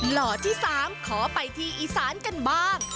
หล่อที่๓ขอไปที่อีสานกันบ้าง